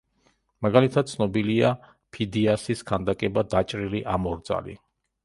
მაგალითად, ცნობილია ფიდიასის ქანდაკება „დაჭრილი ამორძალი“.